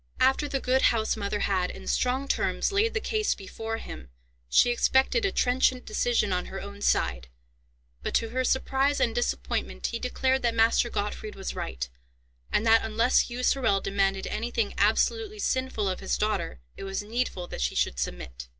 After the good housemother had, in strong terms, laid the case before him, she expected a trenchant decision on her own side, but, to her surprise and disappointment, he declared that Master Gottfried was right, and that, unless Hugh Sorel demanded anything absolutely sinful of his daughter, it was needful that she should submit.